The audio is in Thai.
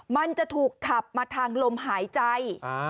มันจะถูกขับมาทางลมหายใจ